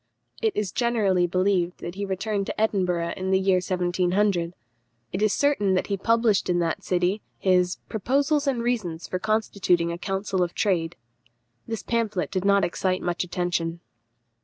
It is generally believed that he returned to Edinburgh in the year 1700. It is certain that he published in that city his Proposals and Reasons for constituting a Council of Trade. This pamphlet did not excite much attention.